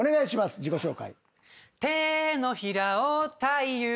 自己紹介。